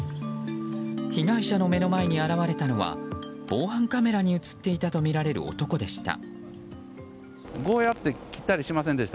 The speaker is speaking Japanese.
被害者の目の前に現れたのは防犯カメラに映っていたとみられる男でした。